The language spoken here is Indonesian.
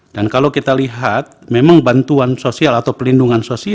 dan kalau kita lihat memang bantuan sosial atau perlindungan sosial